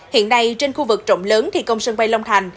hiện nay trên khu vực trộm lớn thì công sân bay long thành